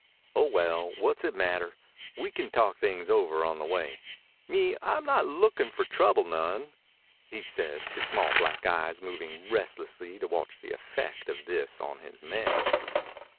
"Oh, well, what's it matter? We can talk things over on the way. Me, I'm not lookin' for trouble none," he said, his small black eyes moving restlessly to watch the effect of this on his men.